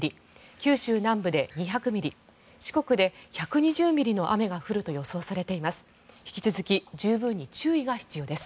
九州南部で２００ミリ四国で１２０ミリの雨が降ると予想されています。